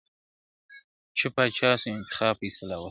چي پاچا سو انتخاب فیصله وسوه؛